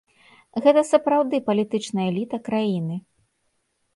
Гэта сапраўды палітычная эліта краіны.